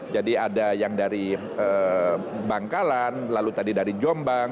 jadi ada yang dari bangkalan lalu tadi dari jombang